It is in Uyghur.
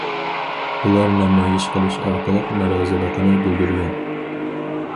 ئۇلار نامايىش قىلىش ئارقىلىق نارازىلىقىنى بىلدۈرگەن.